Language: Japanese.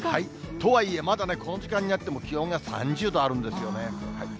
とはいえ、まだね、この時間になっても気温が３０度あるんですよね。